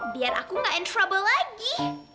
biar aku gak in trouble lagi